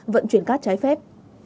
vận chuyển cát trái phép